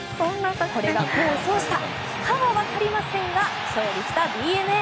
これが功を奏したかはわかりませんが勝利したＤｅＮＡ。